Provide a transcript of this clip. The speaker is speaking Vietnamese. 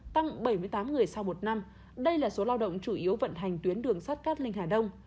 tăng bảy mươi tám người sau một năm đây là số lao động chủ yếu vận hành tuyến đường sắt cát linh hà đông